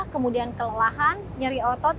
kemudian kelelahan nyeri otot